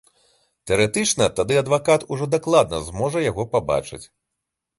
Тэарэтычна, тады адвакат ужо дакладна зможа яго пабачыць.